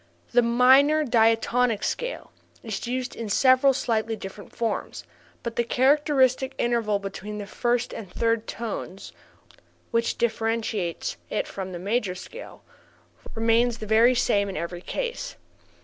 The minor diatonic scale is used in several slightly different forms, but the characteristic interval between the first and third tones (which differentiates it from the major scale) remains the same in every case.